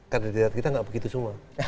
kandidat kita nggak begitu semua